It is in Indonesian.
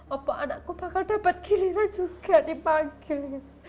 apa anakku bakal dapat giliran juga dipanggil